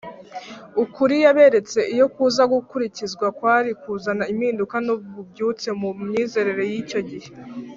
. Ukuri yaberetse, iyo kuza gukurikizwa kwari kuzana impinduka n’ububyutse mu myizezere y’icyo gihe